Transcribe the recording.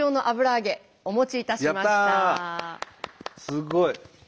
すごい！